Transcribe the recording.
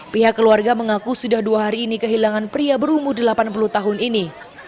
pihak keluarga mengaku sudah dua hari ini kehilangan pria berumur delapan puluh tahun ini